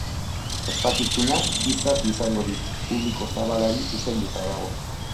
Ospakizunak bi zati izango ditu, publiko zabalari zuzenduta dago.